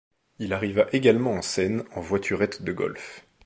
Il arriva également en scène en voiturette de golf.